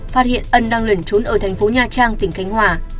phát hiện ân đang lẩn trốn ở thành phố nha trang tỉnh khánh hòa